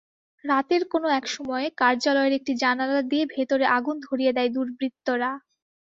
রাতের কোনো একসময়ে কার্যালয়ের একটি জানালা দিয়ে ভেতরে আগুন ধরিয়ে দেয় দুর্বৃত্তরা।